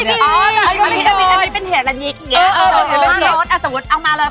อันนี้เป็นเหตุแบบนี้